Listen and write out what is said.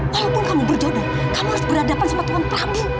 walaupun kamu berjodoh kamu harus berhadapan sama tuan prabu